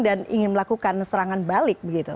dan ingin melakukan serangan balik begitu